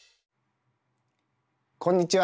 こんにちは。